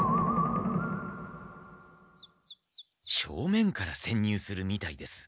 正面からせんにゅうするみたいです。